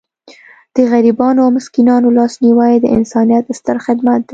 د غریبانو او مسکینانو لاسنیوی د انسانیت ستر خدمت دی.